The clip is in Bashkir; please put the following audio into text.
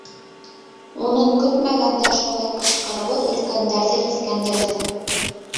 Уның көтмәгәндә шулай ҡысҡырыуы өлкөндәрҙе һиҫкәндерҙе.